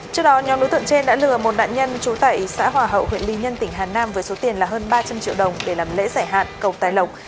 trước đó nhóm đối tượng trên đã lừa một nạn nhân trú tại xã hòa hậu huyện lý nhân tỉnh hà nam với số tiền là hơn ba trăm linh triệu đồng để làm lễ giải hạn cầu tài lộng